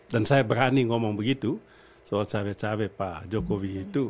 dan saya berani ngomong begitu soal cawe cawe pak jokowi itu